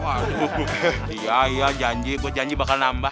waduh iya iya janji gue janji bakal nambah